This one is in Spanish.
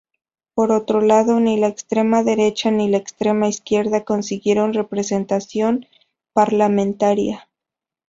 Por otro lado, ni la extrema derecha ni la extrema izquierda consiguieron representación parlamentaria.